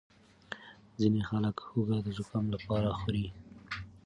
ځینې خلک هوږه د زکام لپاره خوري.